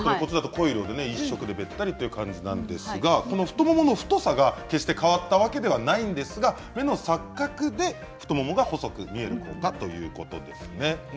濃い色で一色でべったりというのが左側ですが太ももの太さが決して変わったわけではないんですが目の錯覚で太ももが細く見える効果ということですね。